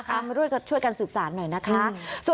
มาด้วยกับช่วยกันสืบสารหน่อยนะคะ